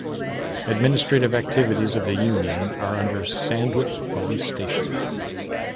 Administrative activities of the union are under Sandwip police station.